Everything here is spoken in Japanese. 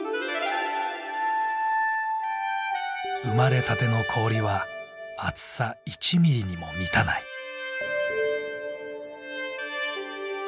生まれたての氷は厚さ１ミリにも満たない。